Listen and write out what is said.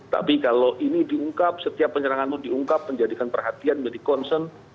tapi kalau ini diungkap setiap penyerangan itu diungkap menjadikan perhatian menjadi concern